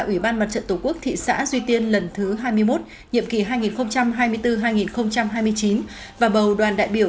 ủy ban mặt trận tổ quốc thị xã duy tiên lần thứ hai mươi một nhiệm kỳ hai nghìn hai mươi bốn hai nghìn hai mươi chín và bầu đoàn đại biểu